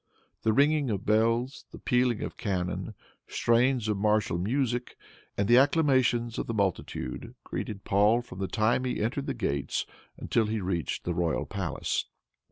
The ringing of bells, the pealing of cannon, strains of martial music, and the acclamations of the multitude, greeted Paul from the time he entered the gates until he reached the royal palace.